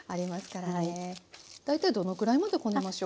大体どのくらいまでこねましょう？